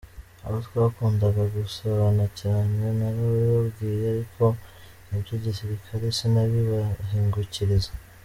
Abo twakundaga gusabana cyane narabibabwiye ariko iby’igisirikare sinabibahingukiriza.